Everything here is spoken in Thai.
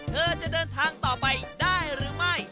เธอจะเดินทางต่อไปได้หรือไม่